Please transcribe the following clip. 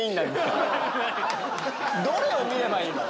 どれを見ればいいの？